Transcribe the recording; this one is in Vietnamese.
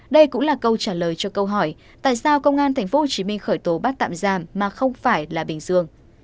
đây cũng là câu trả lời cho câu hỏi tại sao công an tp hcm khởi tố bắt tạm giam mà không phải là bình dương